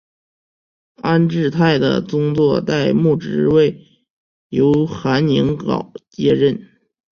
安治泰的宗座代牧职位由韩宁镐接任。